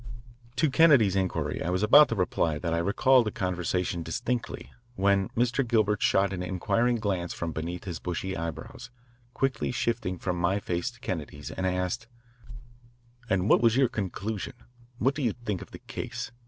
To Kennedy's inquiry I was about to reply that I recalled the conversation distinctly, when Mr. Gilbert shot an inquiring glance from beneath his bushy eyebrows, quickly shifting from my face to Kennedy's, and asked, "And what was your conclusion what do you think of the case?